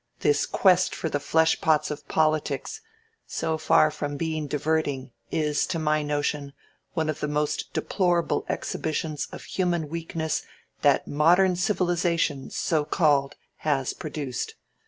This quest for the flesh pots of politics, so far from being diverting, is, to my notion, one of the most deplorable exhibitions of human weakness that modern civilization, so called, has produced.